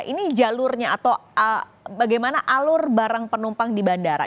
ini jalurnya atau bagaimana alur barang penumpang di bandara